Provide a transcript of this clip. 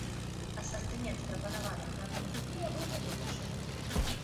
Асартымент прапанаваных гатункаў піва быў не вельмі шырокім.